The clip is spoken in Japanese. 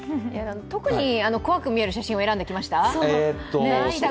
特に怖く見える写真を選んできました？